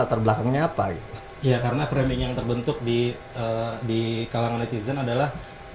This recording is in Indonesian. terbelakangnya apa ya karena framing yang terbentuk di di kalangan netizen adalah